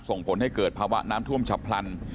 ส่งผลให้เกิดภาวะน้ำท่วมฉับพลัน